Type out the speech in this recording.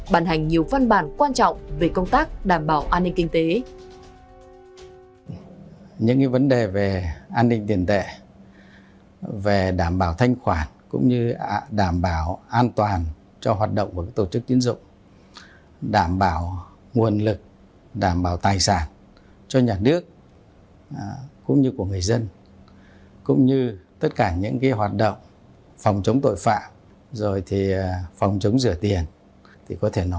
bàn hành nhiều văn bản quan trọng về công tác đảm bảo an ninh kinh tế